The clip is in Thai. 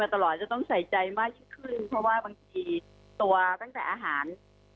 แล้วพุยมาตลอดจะต้องใส่ใจมากขึ้นเพราะว่าบางทีตัวพักให้อาหาร